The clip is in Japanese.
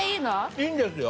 いいんですよ。